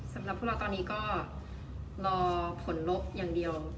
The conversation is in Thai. สำหรับพวกเราตอนนี้ก็รอผลลบอย่างเดียว